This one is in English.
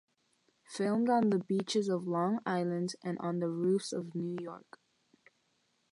Filmed on the beaches of Long Island, and on the roofs of New York.